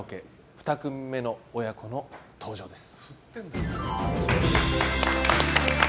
２組目の親子の登場です。